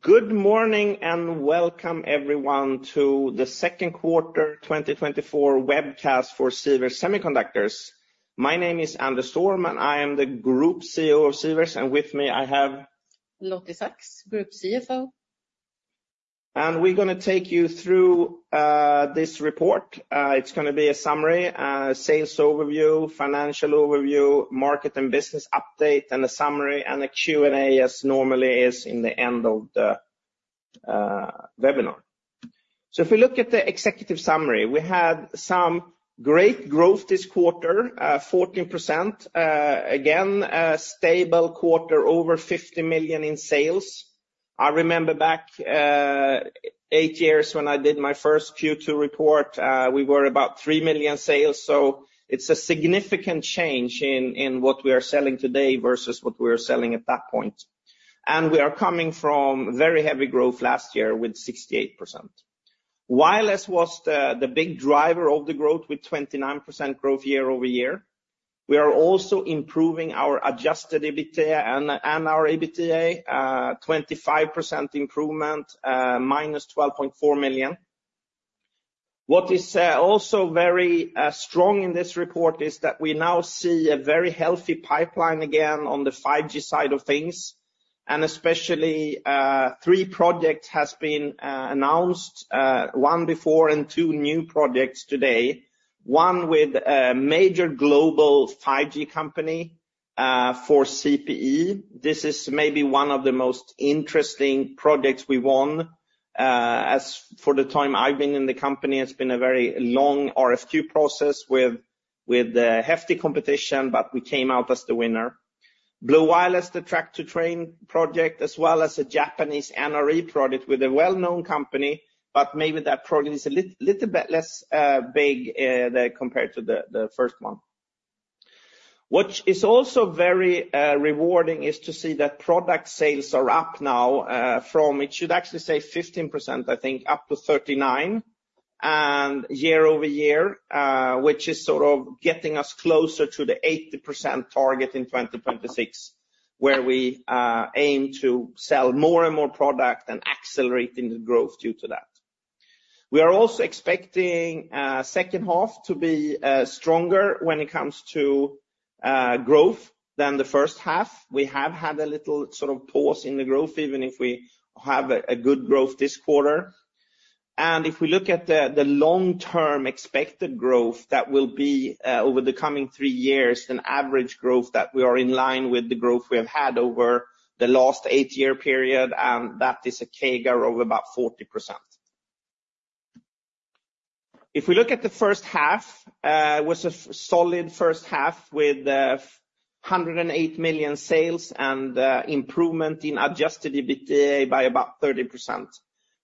Good morning, and welcome everyone to the Second Quarter 2024 Webcast for Sivers Semiconductors. My name is Anders Storm, and I am the Group CEO of Sivers Semiconductors, and with me I have... Lotte Saks, Group CFO. We're gonna take you through this report. It's gonna be a summary, sales overview, financial overview, market and business update, and a summary, and a Q&A, as normally is in the end of the webinar. If we look at the executive summary, we had some great growth this quarter, 14%. Again, a stable quarter, over 50 million in sales. I remember back, eight years when I did my first Q2 report, we were about 3 million sales, so it's a significant change in what we are selling today versus what we were selling at that point. And we are coming from very heavy growth last year with 68%. Wireless was the big driver of the growth, with 29% growth year-over-year. We are also improving our adjusted EBITDA and, and our EBITDA, 25% improvement, -12.4 million. What is also very strong in this report is that we now see a very healthy pipeline again on the 5G side of things, and especially, three projects has been announced, one before and two new projects today. One with a major global 5G company, for CPE. This is maybe one of the most interesting projects we won. As for the time I've been in the company, it's been a very long RFQ process with hefty competition, but we came out as the winner. Blu Wireless, the Track-to-Train project, as well as a Japanese NRE product with a well-known company, but maybe that product is a little bit less big than compared to the first one. What is also very rewarding is to see that product sales are up now from, it should actually say 15%, I think, up to 39%, and year-over-year, which is sort of getting us closer to the 80% target in 2026, where we aim to sell more and more product and accelerating the growth due to that. We are also expecting second half to be stronger when it comes to growth than the first half. We have had a little sort of pause in the growth, even if we have a good growth this quarter. If we look at the long-term expected growth, that will be over the coming three years, an average growth that we are in line with the growth we have had over the last eight-year period, and that is a CAGR of about 40%. If we look at the first half, it was a solid first half with 108 million sales and improvement in adjusted EBITDA by about 30%.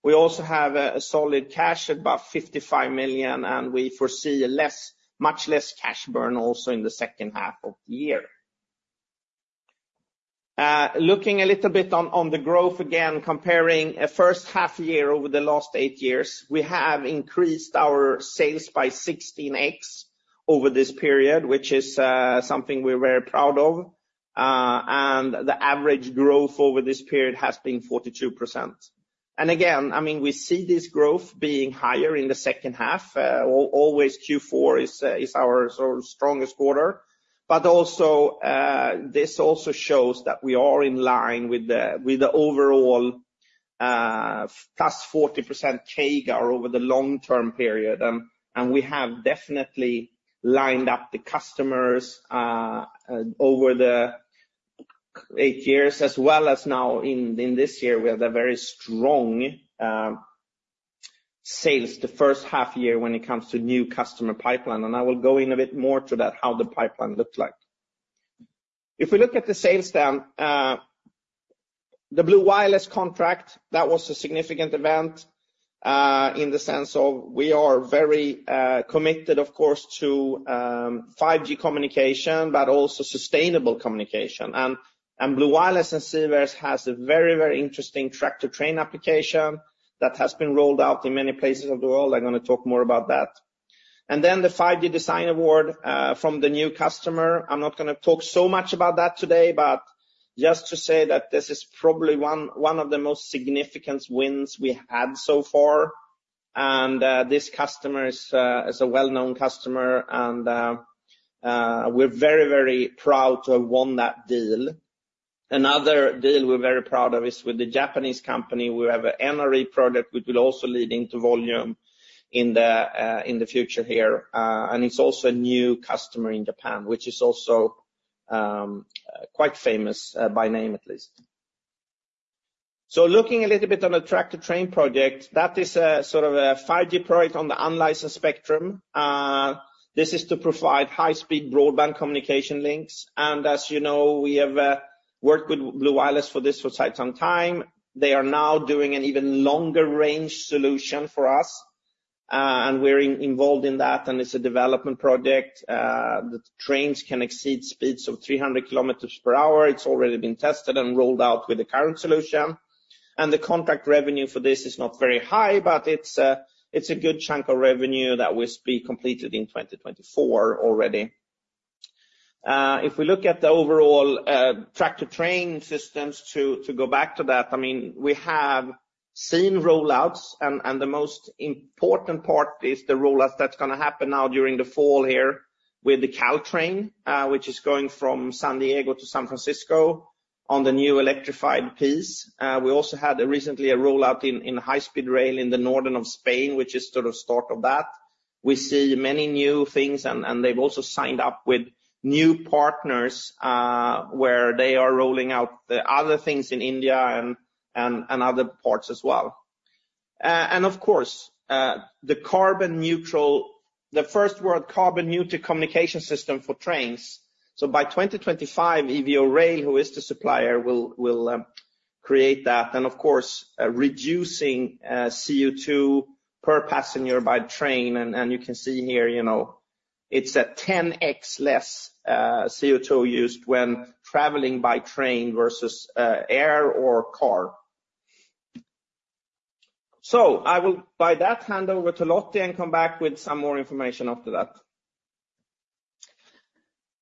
We also have a solid cash, about 55 million, and we foresee much less cash burn also in the second half of the year. Looking a little bit on the growth again, comparing a first half year over the last eight years, we have increased our sales by 16x over this period, which is something we're very proud of. And the average growth over this period has been 42%. And again, I mean, we see this growth being higher in the second half. Always Q4 is our sort of strongest quarter. But also, this also shows that we are in line with the, with the overall, plus 40% CAGR over the long-term period. And we have definitely lined up the customers over the eight years, as well as now in this year, we have a very strong sales the first half year when it comes to new customer pipeline, and I will go in a bit more to that, how the pipeline looks like. If we look at the sales down, the Blu Wireless contract, that was a significant event, in the sense of we are very, committed, of course, to, 5G communication, but also sustainable communication. And Blu Wireless and Sivers has a very, very interesting Track-to-Train application that has been rolled out in many places of the world. I'm gonna talk more about that. And then the 5G Design Award, from the new customer. I'm not gonna talk so much about that today, but just to say that this is probably one of the most significant wins we had so far. And this customer is a well-known customer, and we're very, very proud to have won that deal. Another deal we're very proud of is with the Japanese company. We have an NRE product, which will also lead into volume in the future here. And it's also a new customer in Japan, which is also quite famous by name at least. So looking a little bit on the Track-to-Train project, that is a sort of a 5G project on the unlicensed spectrum. This is to provide high-speed broadband communication links. And as you know, we have worked with Blu Wireless for this for quite some time. They are now doing an even longer range solution for us, and we're involved in that, and it's a development project. The trains can exceed speeds of 300 km per hour. It's already been tested and rolled out with the current solution. And the contract revenue for this is not very high, but it's a good chunk of revenue that will be completed in 2024 already. If we look at the overall Track-to-Train systems, to go back to that, I mean, we have seen rollouts, and the most important part is the rollouts that's gonna happen now during the fall here with the Caltrain, which is going from San Diego to San Francisco on the new electrified piece. We also had recently a rollout in high-speed rail in the north of Spain, which is sort of start of that. We see many new things, and they've also signed up with new partners, where they are rolling out the other things in India and other parts as well. And of course, the first world carbon-neutral communication system for trains. So by 2025, Evo Rail, who is the supplier, will create that, and of course, reducing CO2 per passenger by train. And you can see here, you know, it's at 10x less CO2 used when traveling by train versus air or car. So I will, by that, hand over to Lotte and come back with some more information after that.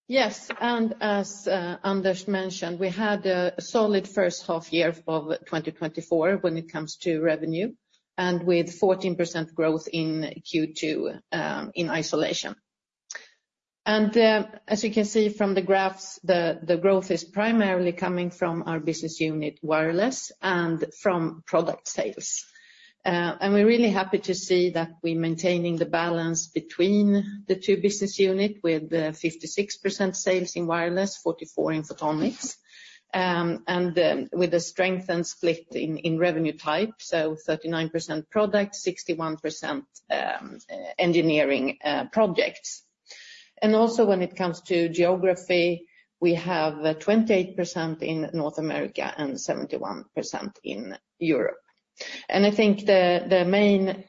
Yes, and as Anders mentioned, we had a solid first half year of 2024 when it comes to revenue, and with 14% growth in Q2, in isolation. As you can see from the graphs, the growth is primarily coming from our business unit, Wireless, and from product sales. And we're really happy to see that we're maintaining the balance between the two business unit, with 56% sales in Wireless, 44% in Photonics. And with the strength and split in revenue type, so 39% product, 61% engineering projects. And also when it comes to geography, we have 28% in North America and 71% in Europe. I think the main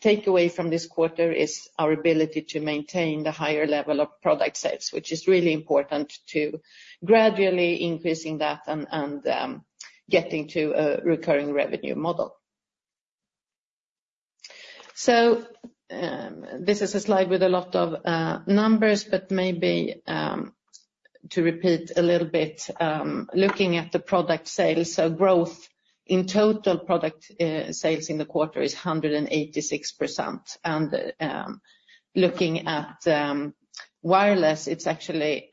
takeaway from this quarter is our ability to maintain the higher level of product sales, which is really important to gradually increasing that and getting to a recurring revenue model. So this is a slide with a lot of numbers, but maybe to repeat a little bit, looking at the product sales, so growth in total product sales in the quarter is 186%. And looking at Wireless, it's actually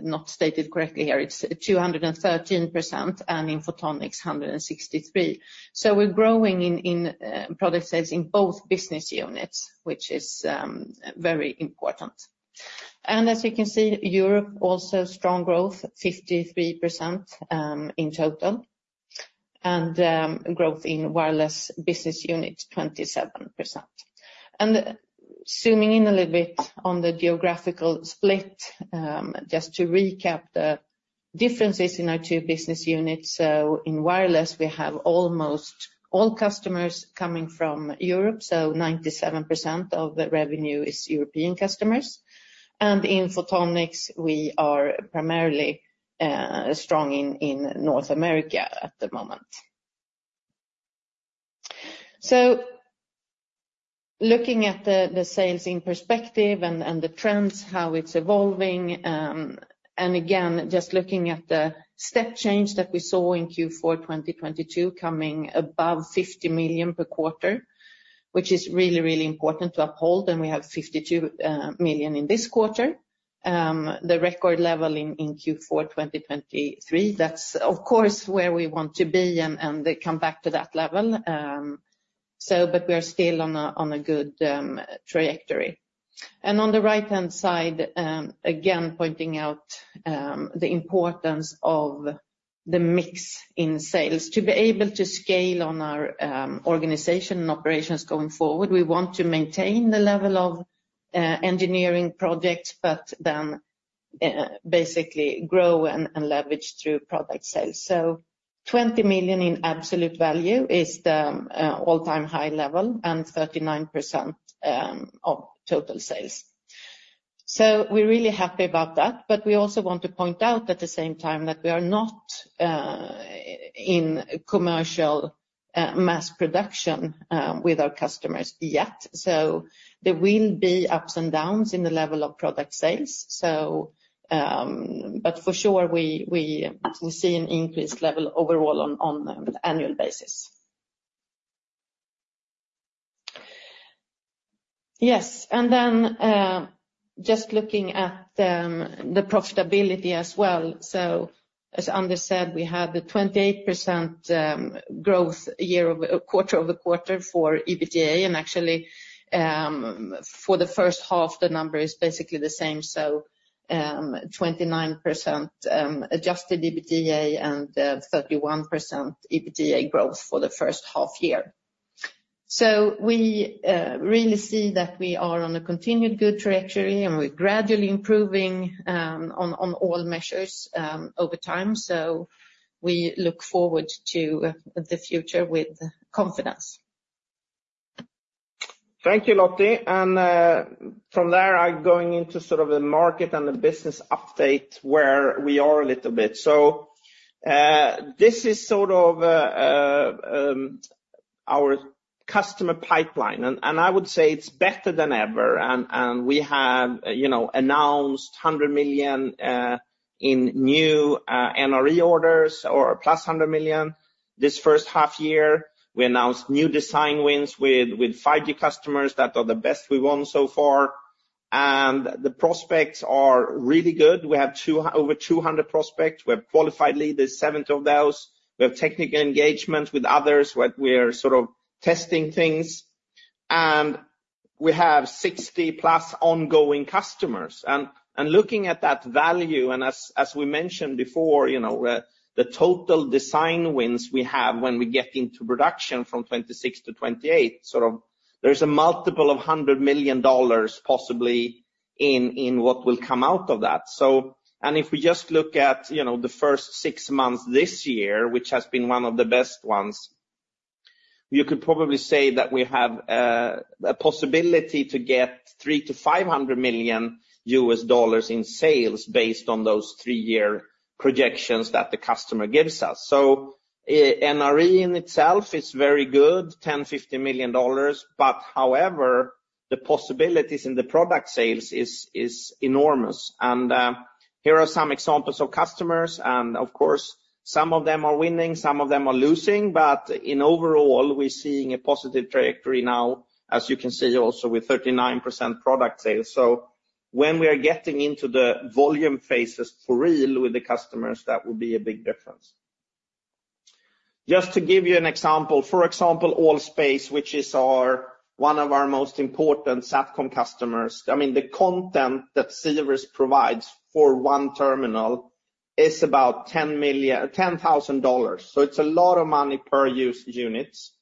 not stated correctly here. It's 213%, and in Photonics, 163%. So we're growing in product sales in both business units, which is very important. And as you can see, Europe also strong growth, 53% in total, and growth in Wireless business unit, 27%. Zooming in a little bit on the geographical split, just to recap the differences in our two business units. In Wireless, we have almost all customers coming from Europe, so 97% of the revenue is European customers. In Photonics, we are primarily strong in North America at the moment. Looking at the sales in perspective and the trends, how it's evolving, and again, just looking at the step change that we saw in Q4 2022, coming above 50 million per quarter, which is really, really important to uphold. We have 52 million in this quarter. The record level in Q4 2023, that's of course where we want to be and come back to that level. But we are still on a good trajectory. On the right-hand side, again, pointing out the importance of the mix in sales. To be able to scale on our organization and operations going forward, we want to maintain the level of engineering projects, but then basically grow and and leverage through product sales. So 20 million in absolute value is the all-time high level and 39% of total sales. So we're really happy about that, but we also want to point out at the same time that we are not in commercial mass production with our customers yet. So there will be ups and downs in the level of product sales. But for sure, we we we see an increased level overall on on an annual basis. Yes, and then just looking at the profitability as well. As Anders said, we had 28% growth quarter-over-quarter for EBITDA, and actually, for the first half, the number is basically the same. So, 29% adjusted EBITDA and 31% EBITDA growth for the first half year. We really see that we are on a continued good trajectory, and we're gradually improving on all measures over time. We look forward to the future with confidence. Thank you, Lotte. From there, I'm going into sort of the market and the business update, where we are a little bit. This is sort of our customer pipeline, and I would say it's better than ever. And we have, you know, announced 100 million in new NRE orders or +100 million. This first half year, we announced new design wins with 5G customers that are the best we won so far, and the prospects are really good. We have over 200 prospects. We have qualified leads, 70 of those. We have technical engagement with others, where we are sort of testing things. And we have 60+ ongoing customers. And looking at that value, and as we mentioned before, you know, the total design wins we have when we get into production from 2026-2028, sort of there's a multiple of $100 million possibly in what will come out of that. So, and if we just look at, you know, the first six months this year, which has been one of the best ones, you could probably say that we have a possibility to get $300 million-$500 million in sales based on those three-year projections that the customer gives us. So, NRE in itself is very good, $10 million-$50 million, but however, the possibilities in the product sales is enormous. Here are some examples of customers, and of course, some of them are winning, some of them are losing, but in overall, we're seeing a positive trajectory now, as you can see also with 39% product sales. So when we are getting into the volume phases for real with the customers, that will be a big difference. Just to give you an example, for example, Allspace, which is our one of our most important Satcom customers. I mean, the content that Sivers provides for one terminal is about $10,000. So it's a lot of money per use units.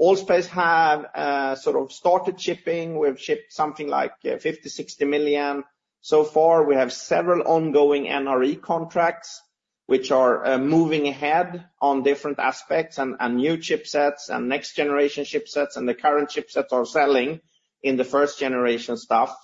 Allspace have sort of started shipping. We've shipped something like $50-$60 million. So far, we have several ongoing NRE contracts, which are moving ahead on different aspects and new chipsets and next-generation chipsets, and the current chipsets are selling in the first generation stuff.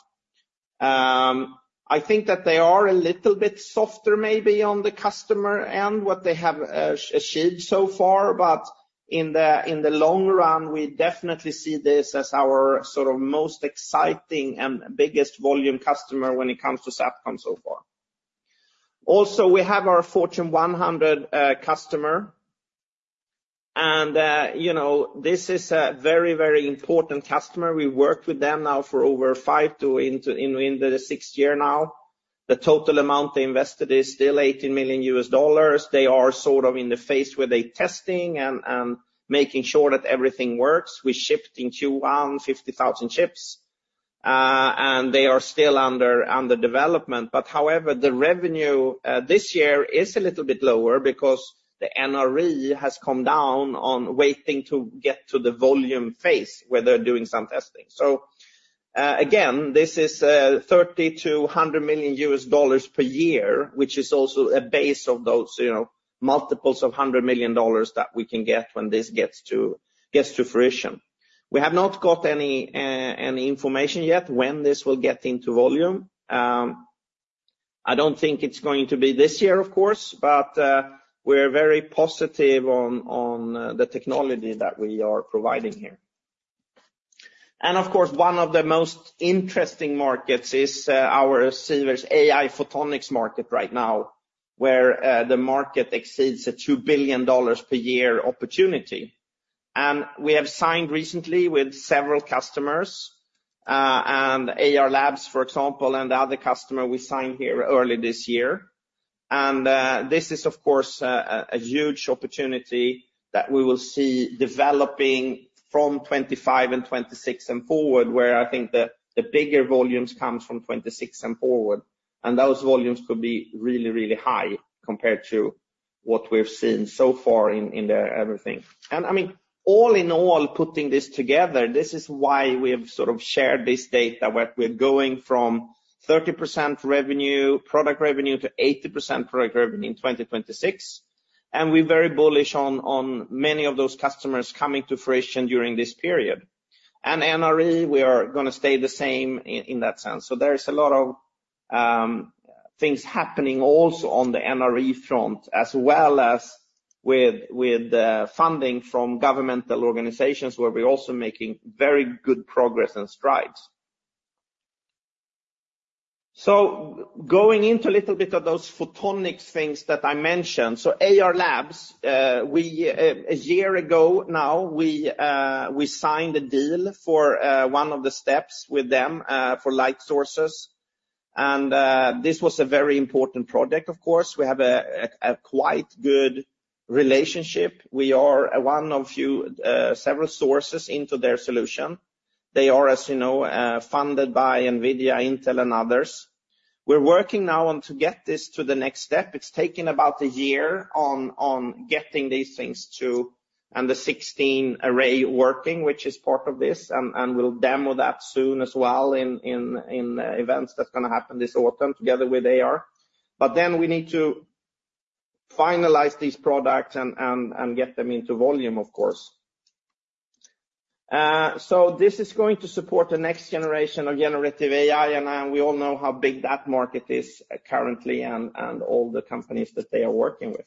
I think that they are a little bit softer, maybe on the customer end, what they have achieved so far, but in the long run, we definitely see this as our sort of most exciting and biggest volume customer when it comes to Satcom so far. Also, we have our Fortune 100 customer, and you know, this is a very, very important customer. We worked with them now for over five to into the sixth year now. The total amount they invested is still $80 million. They are sort of in the phase where they testing and making sure that everything works. We shipped in Q1, 50,000 chips, and they are still under development. But however, the revenue this year is a little bit lower because the NRE has come down on waiting to get to the volume phase, where they're doing some testing. So, again, this is thirty to a hundred million US dollars per year, which is also a base of those, you know, multiples of hundred million dollars that we can get when this gets to fruition. We have not got any information yet when this will get into volume. I don't think it's going to be this year, of course, but we're very positive on the technology that we are providing here. Of course, one of the most interesting markets is our Sivers AI photonics market right now, where the market exceeds a $2 billion per year opportunity. And we have signed recently with several customers, and Ayar Labs, for example, and the other customer we signed here early this year. And this is, of course, a huge opportunity that we will see developing from 2025 and 2026 and forward, where I think the bigger volumes comes from 2026 and forward. And those volumes could be really, really high compared to what we've seen so far in everything. And I mean, all in all, putting this together, this is why we have sort of shared this data, where we're going from 30% revenue, product revenue, to 80% product revenue in 2026. And we're very bullish on many of those customers coming to fruition during this period. And NRE, we are gonna stay the same in that sense. So there is a lot of things happening also on the NRE front, as well as with the funding from governmental organizations, where we're also making very good progress and strides. So going into a little bit of those photonics things that I mentioned. So Ayar Labs, a year ago now, we signed a deal for one of the steps with them for light sources. And this was a very important project, of course. We have a quite good relationship. We are one of few several sources into their solution. They are, as you know, funded by NVIDIA, Intel, and others. We're working now on to get this to the next step. It's taken about a year on getting these things to, and the 16 array working, which is part of this, and we'll demo that soon as well in events that's gonna happen this autumn, together with Ayar. But then we need to finalize these products and get them into volume, of course. So this is going to support the next generation of generative AI, and we all know how big that market is currently and all the companies that they are working with.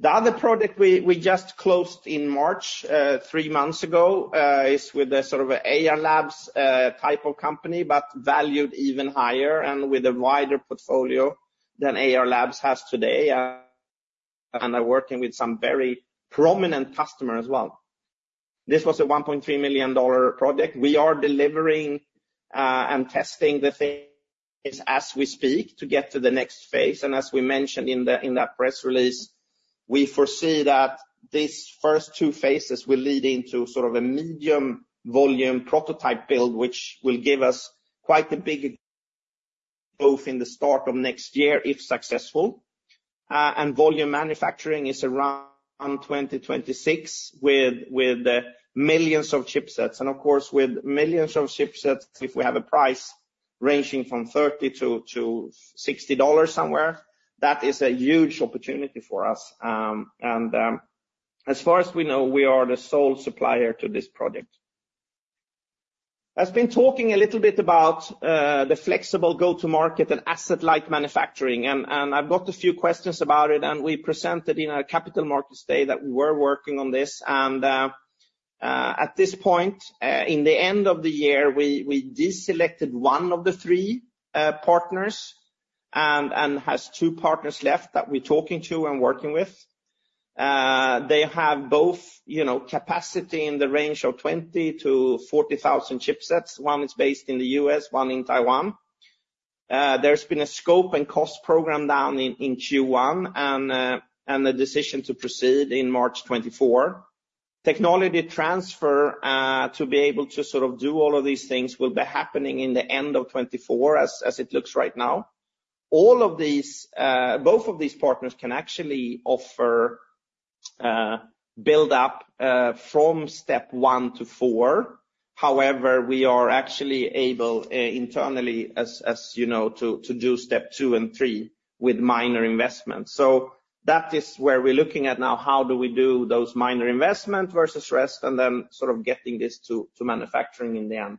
The other product we just closed in March, three months ago, is with a sort of Ayar Labs type of company, but valued even higher and with a wider portfolio than Ayar Labs has today, and are working with some very prominent customer as well. This was a $1.3 million project. We are delivering and testing the things as we speak to get to the next phase. And as we mentioned in that press release, we foresee that these first two phases will lead into sort of a medium volume prototype build, which will give us quite a big, both in the start of next year, if successful. And volume manufacturing is around 2026, with millions of chipsets. Of course, with millions of chipsets, if we have a price ranging from $30-$60 somewhere, that is a huge opportunity for us. As far as we know, we are the sole supplier to this project. I've been talking a little bit about the flexible go-to-market and asset-light manufacturing, and I've got a few questions about it, and we presented in our capital markets day that we were working on this. At this point, in the end of the year, we deselected one of the three partners, and has two partners left that we're talking to and working with. They have both, you know, capacity in the range of 20,000-40,000 chipsets. One is based in the U.S., one in Taiwan. There's been a scope and cost program down in Q1, and a decision to proceed in March 2024. Technology transfer to be able to sort of do all of these things will be happening in the end of 2024, as it looks right now. All of these, both of these partners can actually offer build up from step 1-4. However, we are actually able internally, as you know, to do step two and three with minor investments. So that is where we're looking at now. How do we do those minor investment versus rest, and then sort of getting this to manufacturing in the end?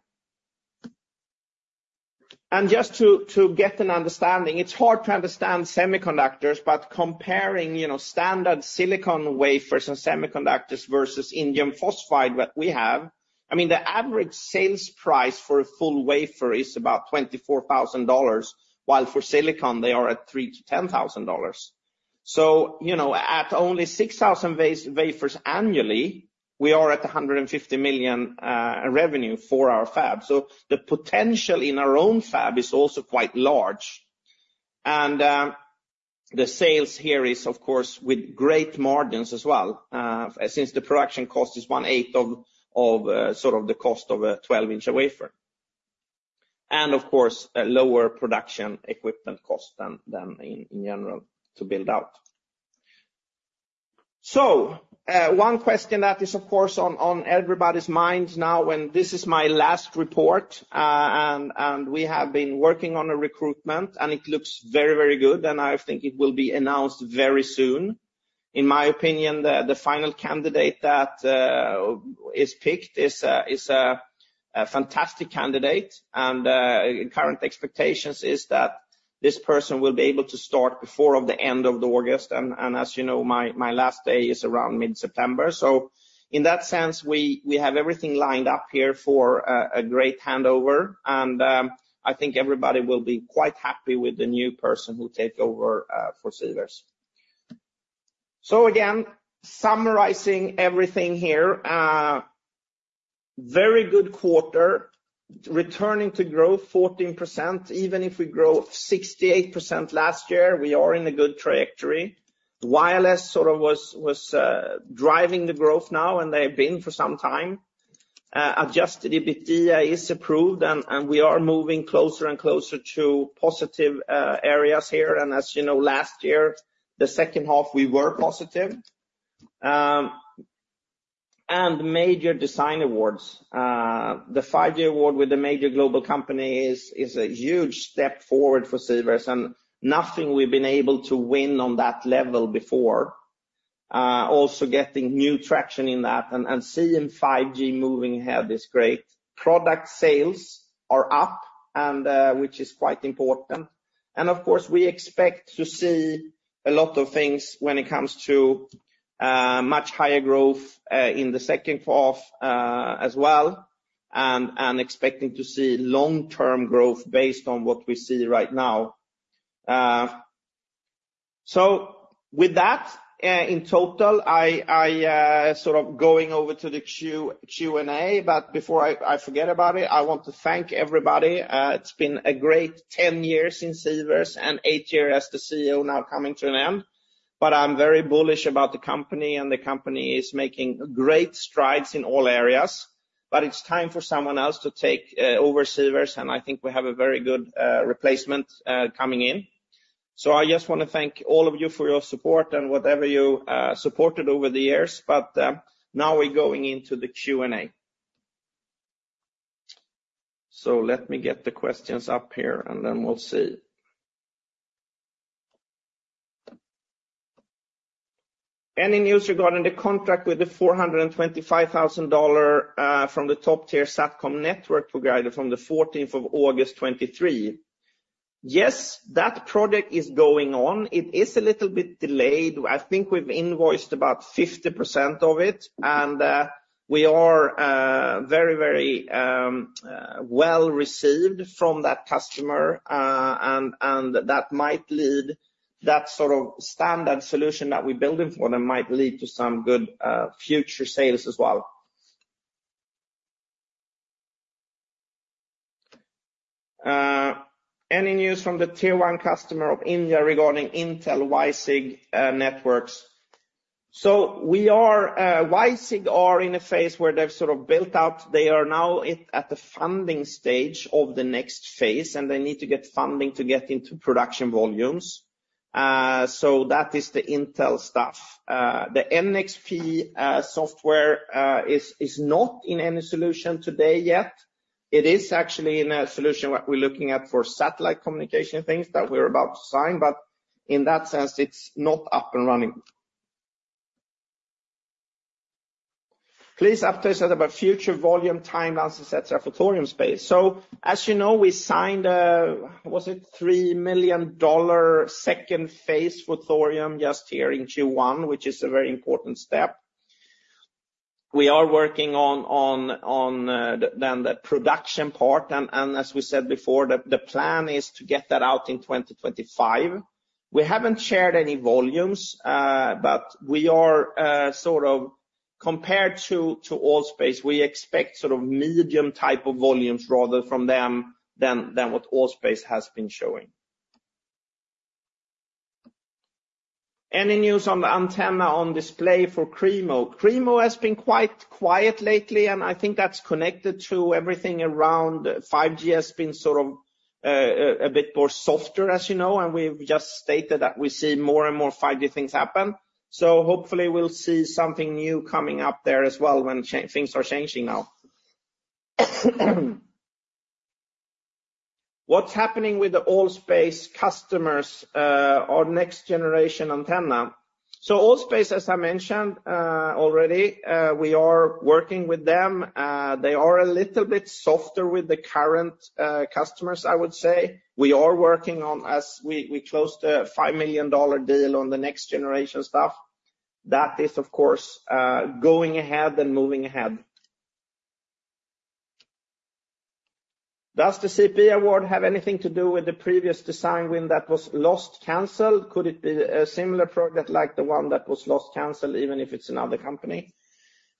And just to get an understanding, it's hard to understand semiconductors, but comparing, you know, standard silicon wafers and semiconductors versus indium phosphide, what we have, I mean, the average sales price for a full wafer is about $24,000, while for silicon, they are at $3,000-$10,000. So, you know, at only 6,000 wafers annually, we are at $150 million revenue for our fab. So the potential in our own fab is also quite large. And the sales here is, of course, with great margins as well, since the production cost is one-eighth of sort of the cost of a 12 in wafer. And of course, a lower production equipment cost than in general to build out. So, one question that is, of course, on everybody's mind now, when this is my last report, and we have been working on a recruitment, and it looks very, very good, and I think it will be announced very soon. In my opinion, the final candidate that is picked is a fantastic candidate, and current expectations is that this person will be able to start before of the end of the August. And as you know, my last day is around mid-September. So in that sense, we have everything lined up here for a great handover, and I think everybody will be quite happy with the new person who take over for Sivers. So again, summarizing everything here, very good quarter, returning to growth 14%. Even if we grew 68% last year, we are in a good trajectory. Wireless sort of was driving the growth now, and they've been for some time. Adjusted EBITDA is improving, and we are moving closer and closer to positive areas here. And as you know, last year, the second half, we were positive. And major design awards, the five year award with the major global company is a huge step forward for Sivers, and nothing we've been able to win on that level before. Also getting new traction in that, and seeing 5G moving ahead is great. Product sales are up, and which is quite important. Of course, we expect to see a lot of things when it comes to much higher growth in the second half as well, and expecting to see long-term growth based on what we see right now. So with that in total, I sort of going over to the Q&A, but before I forget about it, I want to thank everybody. It's been a great 10 years in Sivers and eight years as the CEO now coming to an end, but I'm very bullish about the company, and the company is making great strides in all areas, but it's time for someone else to take over Sivers, and I think we have a very good replacement coming in. So I just want to thank all of you for your support and whatever you supported over the years, but, now we're going into the Q&A. So let me get the questions up here, and then we'll see.... Any news regarding the contract with the $425,000 from the top tier Satcom network provider from the fourteenth of August 2023? Yes, that project is going on. It is a little bit delayed. I think we've invoiced about 50% of it, and, we are, very, very, well-received from that customer, and, and that might lead that sort of standard solution that we're building for them, might lead to some good, future sales as well. Any news from the tier one customer of India regarding Intel WiSig networks? So we are, WiSig are in a phase where they've sort of built out. They are now at, at the funding stage of the next phase, and they need to get funding to get into production volumes. So that is the Intel stuff. The NXP, software, is, is not in any solution today yet. It is actually in a solution what we're looking at for satellite communication things that we're about to sign, but in that sense, it's not up and running. Please update us about future volume, timelines, et cetera, for Thorium Space. So as you know, we signed a, was it $3 million second phase with Thorium just here in Q1, which is a very important step. We are working on the production part, and as we said before, the plan is to get that out in 2025. We haven't shared any volumes, but we are sort of compared to Allspace, we expect sort of medium type of volumes rather from them than what Allspace has been showing. Any news on the antenna on display for KREEMO? KREEMO has been quite quiet lately, and I think that's connected to everything around 5G has been sort of a bit more softer, as you know, and we've just stated that we see more and more 5G things happen. So hopefully we'll see something new coming up there as well when things are changing now. What's happening with the Allspace customers, or next generation antenna? So Allspace, as I mentioned, already, we are working with them. They are a little bit softer with the current customers, I would say. We are working on as we closed a $5 million deal on the next generation stuff. That is, of course, going ahead and moving ahead. Does the CP award have anything to do with the previous design win that was lost, canceled? Could it be a similar product like the one that was lost, canceled, even if it's another company?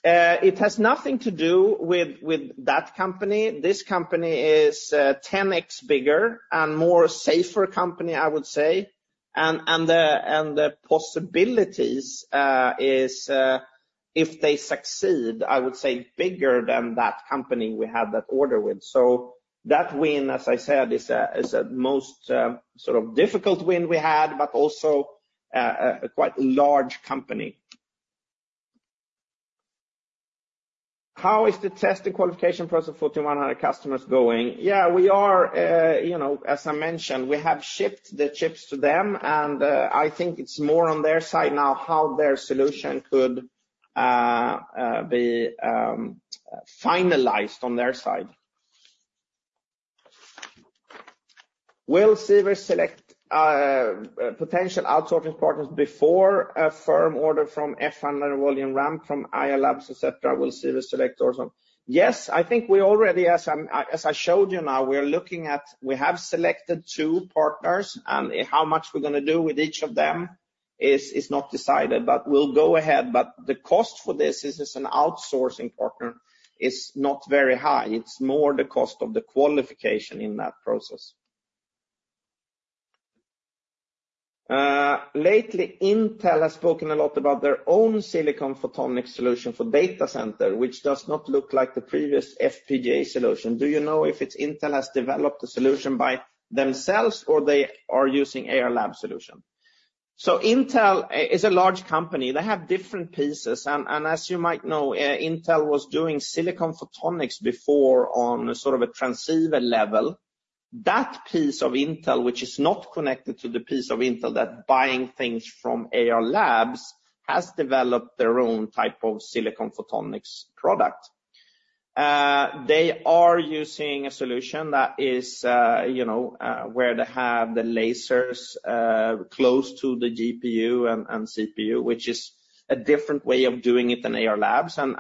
It has nothing to do with that company. This company is 10x bigger and more safer company, I would say. And the possibilities is if they succeed, I would say bigger than that company we had that order with. So that win, as I said, is a most sort of difficult win we had, but also a quite large company. How is the test and qualification process for 100 customers going? Yeah, we are, you know, as I mentioned, we have shipped the chips to them, and I think it's more on their side now, how their solution could be finalized on their side. Will Sivers select potential outsourcing partners before a firm order from F100 volume ramp from Ayar Labs, et cetera, will Sivers select also? Yes, I think we already as I showed you now, we are looking at, we have selected two partners, and how much we're gonna do with each of them is not decided, but we'll go ahead. But the cost for this, this is an outsourcing partner, is not very high. It's more the cost of the qualification in that process. Lately, Intel has spoken a lot about their own silicon photonics solution for data center, which does not look like the previous FPGA solution. Do you know if it's Intel has developed a solution by themselves or they are using Ayar Labs solution? So Intel is a large company. They have different pieces, and as you might know, Intel was doing silicon photonics before on sort of a transceiver level. That piece of Intel, which is not connected to the piece of Intel that buying things from Ayar Labs, has developed their own type of silicon photonics product. They are using a solution that is, you know, where they have the lasers close to the GPU and CPU, which is a different way of doing it than Ayar Labs, and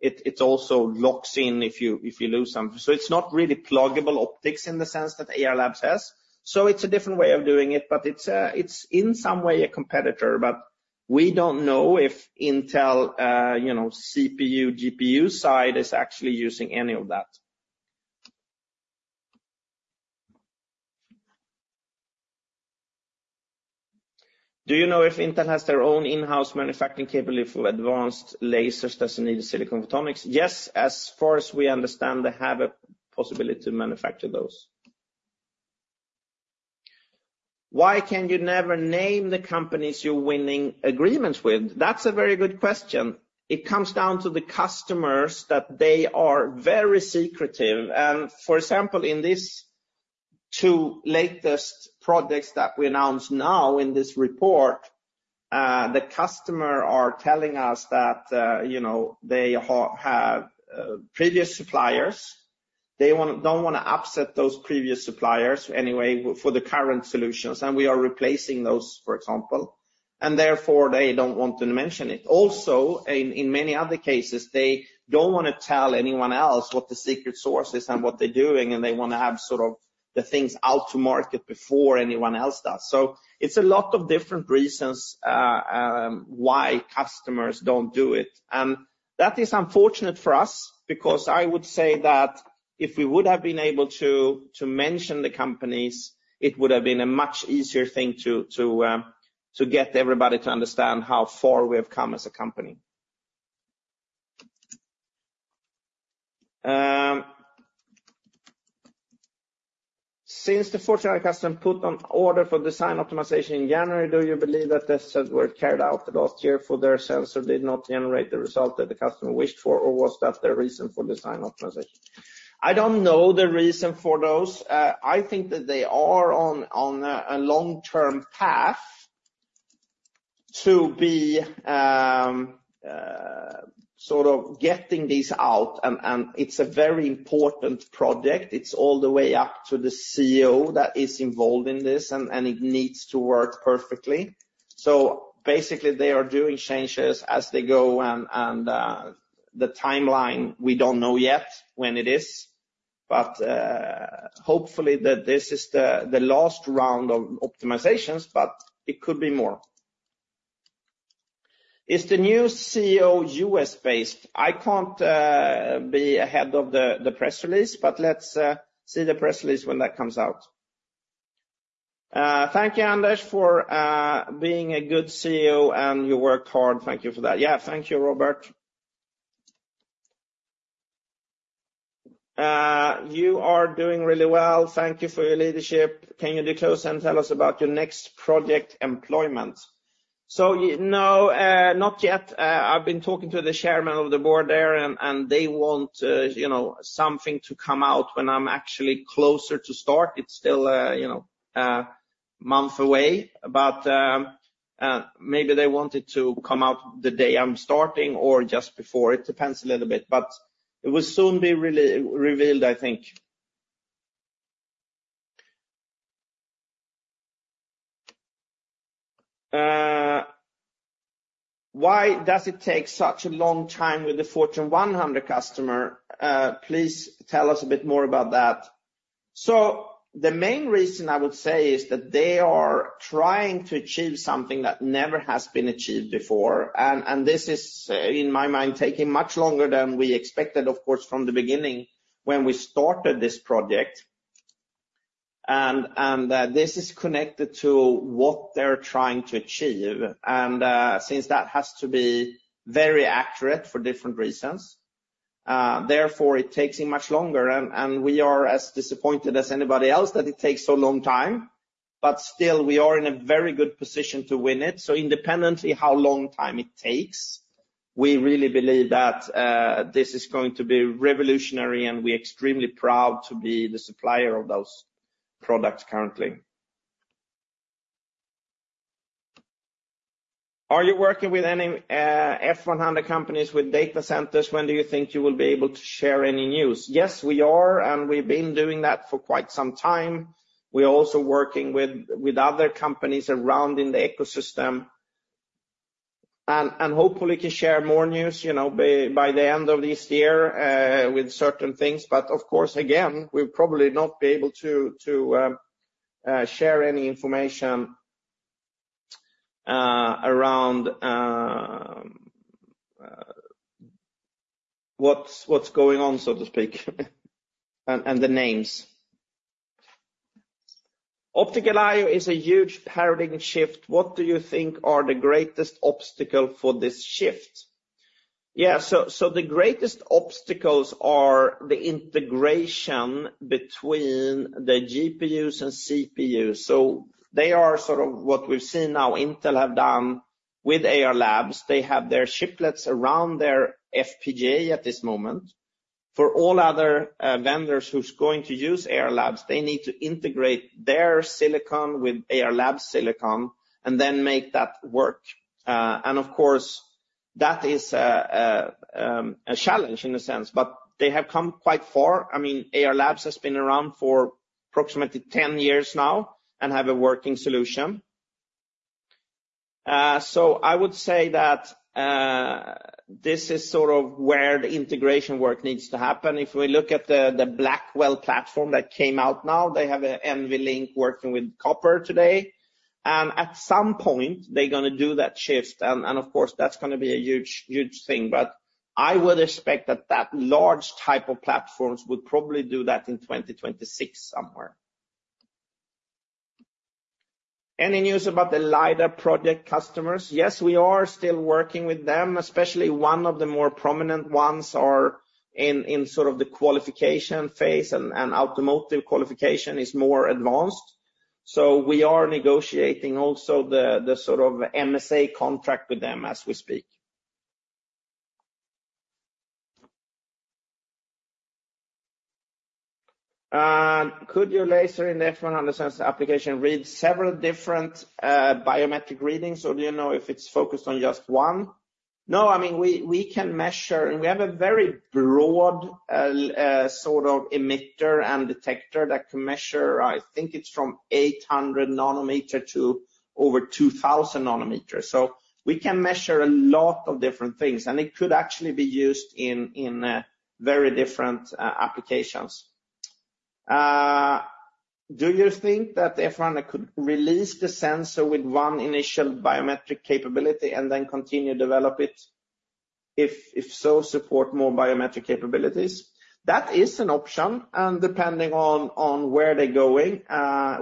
it also locks in if you lose something. So it's not really pluggable optics in the sense that Ayar Labs has. So it's a different way of doing it, but it's in some way a competitor, but we don't know if Intel, you know, CPU, GPU side is actually using any of that. Do you know if Intel has their own in-house manufacturing capability for advanced lasers that's needed in silicon photonics? Yes, as far as we understand, they have a possibility to manufacture those. Why can you never name the companies you're winning agreements with? That's a very good question. It comes down to the customers, that they are very secretive. And for example, in these two latest projects that we announced now in this report, the customer are telling us that, you know, they have previous suppliers. They don't wanna upset those previous suppliers anyway for the current solutions, and we are replacing those, for example, and therefore, they don't want to mention it. Also, in many other cases, they don't wanna tell anyone else what the secret source is and what they're doing, and they wanna have sort of the things out to market before anyone else does. So it's a lot of different reasons why customers don't do it. That is unfortunate for us, because I would say that if we would have been able to mention the companies, it would have been a much easier thing to get everybody to understand how far we have come as a company. Since the Fortune our customer put on order for design optimization in January, do you believe that the tests were carried out last year for their sensor, did not generate the result that the customer wished for, or was that the reason for design optimization? I don't know the reason for those. I think that they are on a long-term path to be sort of getting this out, and it's a very important project. It's all the way up to the CEO that is involved in this, and it needs to work perfectly. So basically, they are doing changes as they go, and the timeline, we don't know yet when it is, but hopefully that this is the last round of optimizations, but it could be more. Is the new CEO U.S.-based? I can't be ahead of the press release, but let's see the press release when that comes out. Thank you, Anders, for being a good CEO, and you work hard. Thank you for that. Yeah, thank you, Robert. You are doing really well. Thank you for your leadership. Can you disclose and tell us about your next project, employment? So, no, not yet. I've been talking to the chairman of the board there, and they want, you know, something to come out when I'm actually closer to start. It's still, you know, month away, but, maybe they want it to come out the day I'm starting or just before. It depends a little bit, but it will soon be revealed, I think. Why does it take such a long time with the Fortune 100 customer? Please tell us a bit more about that. So the main reason I would say, is that they are trying to achieve something that never has been achieved before, and this is, in my mind, taking much longer than we expected, of course, from the beginning when we started this project. And this is connected to what they're trying to achieve. Since that has to be very accurate for different reasons, therefore, it takes it much longer, and we are as disappointed as anybody else that it takes so long time, but still we are in a very good position to win it. So independently, how long time it takes, we really believe that this is going to be revolutionary, and we're extremely proud to be the supplier of those products currently. Are you working with any F100 companies with data centers? When do you think you will be able to share any news? Yes, we are, and we've been doing that for quite some time. We are also working with other companies around in the ecosystem, and hopefully, can share more news, you know, by the end of this year, with certain things. But of course, again, we'll probably not be able to share any information around what's going on, so to speak, and the names. Optical I/O is a huge paradigm shift. What do you think are the greatest obstacle for this shift? Yeah, so the greatest obstacles are the integration between the GPUs and CPUs. So they are sort of what we've seen now, Intel have done with Ayar Labs. They have their chiplets around their FPGA at this moment. For all other vendors who's going to use Ayar Labs, they need to integrate their silicon with Ayar Labs silicon and then make that work. And of course, that is a challenge in a sense, but they have come quite far. I mean, Ayar Labs has been around for approximately 10 years now and have a working solution. So I would say that this is sort of where the integration work needs to happen. If we look at the Blackwell platform that came out now, they have a NVLink working with copper today, and at some point, they're gonna do that shift, and of course, that's gonna be a huge, huge thing. But I would expect that that large type of platforms would probably do that in 2026 somewhere. Any news about the LiDAR project customers? Yes, we are still working with them, especially one of the more prominent ones are in sort of the qualification phase, and automotive qualification is more advanced. So we are negotiating also the sort of MSA contract with them as we speak. Could your laser in F100 sensor application read several different biometric readings, or do you know if it's focused on just one? No, I mean, we can measure, and we have a very broad sort of emitter and detector that can measure, I think it's from 800 nm to over 2,000 nm. So we can measure a lot of different things, and it could actually be used in very different applications. Do you think that F100 could release the sensor with one initial biometric capability and then continue to develop it? If so, support more biometric capabilities. That is an option, and depending on where they're going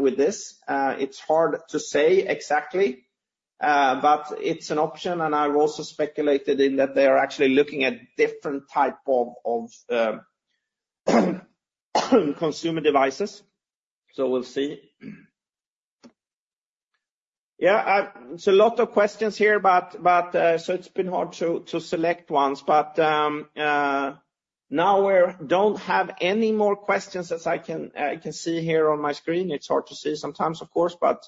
with this, it's hard to say exactly, but it's an option, and I've also speculated in that they are actually looking at different type of consumer devices. So we'll see. Yeah, so a lot of questions here, but so it's been hard to select ones. But now we're don't have any more questions as I can see here on my screen. It's hard to see sometimes, of course, but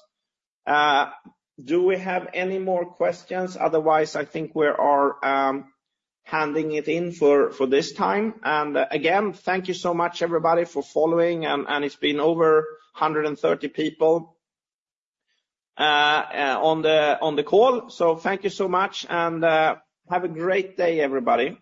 do we have any more questions? Otherwise, I think we are handing it in for this time. And again, thank you so much, everybody, for following, and it's been over 130 people on the call. So thank you so much, and have a great day, everybody.